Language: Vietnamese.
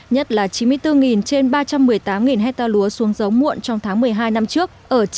nhất là chín mươi bốn trên ba trăm một mươi tám hectare lúa xuống giống muộn trong tháng một mươi hai năm trước